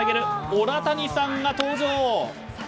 オラ谷サンが登場！